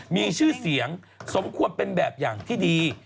มีชื่อเสียงสมควรเป็นแบบอย่างที่ดี